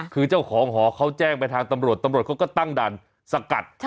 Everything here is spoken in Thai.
คือเจ้าของหอเขาแจ้งไปทางตำรวจตำรวจเขาก็ตั้งด่านสกัด